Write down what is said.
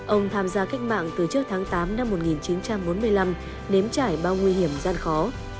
ông tham gia cách mạng từ trước tháng tám năm một nghìn chín trăm bốn mươi năm nếm trải bao nguy hiểm gian khó